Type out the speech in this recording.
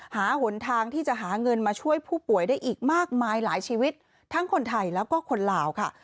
หนทางที่จะหาเงินมาช่วยผู้ป่วยได้อีกมากมายหลายชีวิตทั้งคนไทยแล้วก็คนลาวค่ะ